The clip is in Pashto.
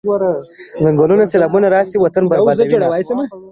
ځنګلونه د سېلابونو مخه نيسي.